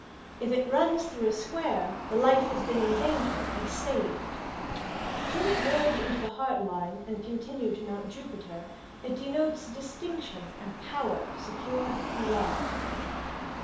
If it runs through a square, the life has been in danger and saved. Should it merge into the Heart Line and continue to Mount Jupiter, it denotes distinction and power secured through love.